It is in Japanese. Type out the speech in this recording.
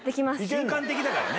瞬間的だからね。